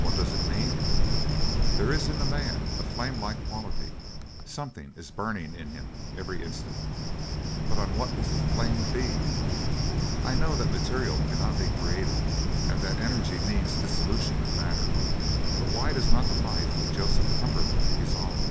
"What does it mean? There is in the man a flame like quality; something is burning in him every instant. But on what does the flame feed? I know that material cannot be created and that energy means dissolution of matter: but why does not the life of Joseph Cumberland dissolve?